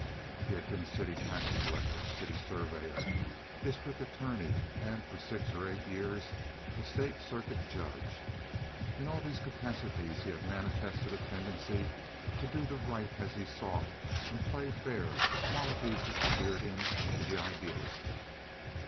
He had been city tax collector, city surveyor, district attorney, and for six or eight years a state circuit judge. In all these capacities he had manifested a tendency to do the right as he saw it and play fair—qualities which endeared him to the idealistic.